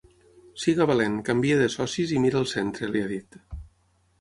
Siga valent, canvie de socis i mire al centre, li ha dit.